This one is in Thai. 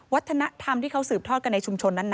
วัฒนธรรมที่เขาสืบทอดกันในชุมชนนั้น